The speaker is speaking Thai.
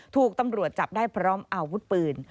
ถูกตำรวจจับได้พร้อมอาวุธปืน